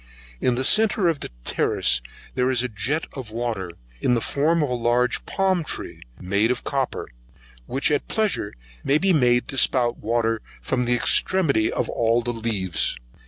In the centre of the terrace there is a Jet d'eau, in form of a large palm tree, made of copper, which at pleasure may be made to spout water from the extremity of all the leaves.